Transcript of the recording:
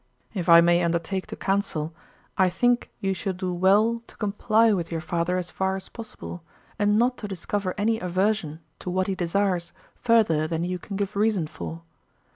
If I may undertake to counsel, I think you shall do well to comply with your father as far as possible, and not to discover any aversion to what he desires further than you can give reason for.